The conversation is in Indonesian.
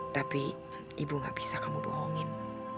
tapi ibu gak bisa kamu bohongin